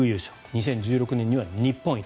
２０１６年には日本一。